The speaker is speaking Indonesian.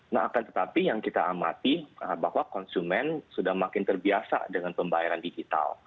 nah akan tetapi yang kita amati bahwa konsumen sudah makin terbiasa dengan pembayaran digital